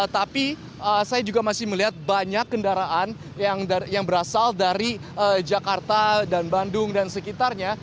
tapi saya juga masih melihat banyak kendaraan yang berasal dari jakarta dan bandung dan sekitarnya